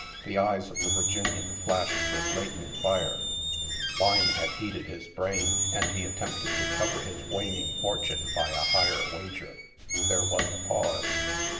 The eyes of the Virginian flashed with latent fire, wine had heated his brain and he attempted to cover his waning fortune by a higher wager. There was a pause.